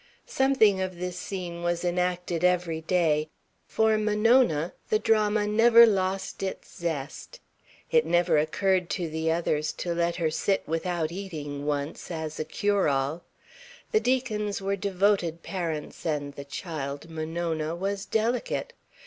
Something of this scene was enacted every day. For Monona the drama never lost its zest. It never occurred to the others to let her sit without eating, once, as a cure all. The Deacons were devoted parents and the child Monona was delicate.